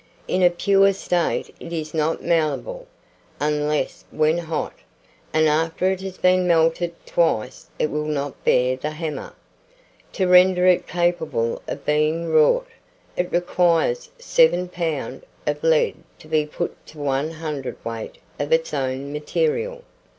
In a pure state it is not malleable, unless when hot, and after it has been melted twice it will not bear the hammer. To render it capable of being wrought, it requires 7 lb. of lead to be put to 1 cwt. of its own material.